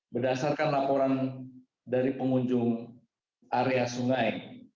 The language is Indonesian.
berdasarkan laporan dari pengunjung area sungai